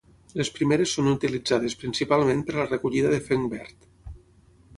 Les primeres són utilitzades principalment per a la recollida de fenc verd.